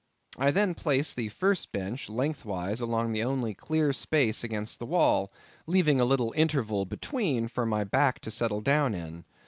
I then placed the first bench lengthwise along the only clear space against the wall, leaving a little interval between, for my back to settle down in.